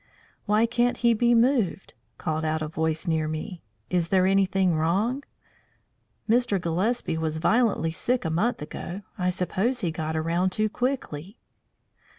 "Why can't he be moved?" called out a voice near me. "Is there anything wrong? Mr. Gillespie was violently sick a month ago. I suppose he got around too quickly."